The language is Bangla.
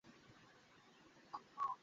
এই ঠিকানায় আই তো।